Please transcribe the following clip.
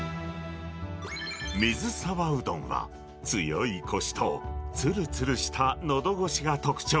水沢うどんは、強いこしとつるつるしたのどごしが特徴。